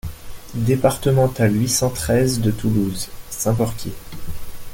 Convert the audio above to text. Départementale huit cent treize de Toulouse, Saint-Porquier